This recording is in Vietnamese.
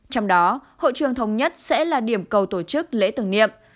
trong đó hội trường thống nhất sẽ là điểm cầu tổ chức lễ tưởng niệm